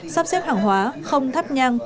sắp xếp hàng hóa không thắp nhang